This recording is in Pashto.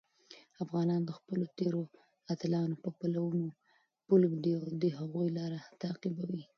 افغانان د خپلو تېرو اتلانو په پلونو پل ږدي او د هغوی لاره تعقیبوي.